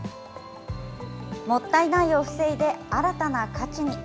もったいないを防いで、新たな価値に。